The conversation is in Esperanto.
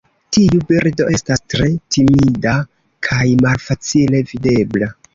Tiu birdo estas tre timida kaj malfacile videbla.